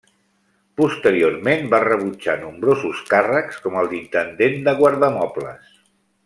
Posteriorment va rebutjar nombrosos càrrecs com el d'intendent de guardamobles.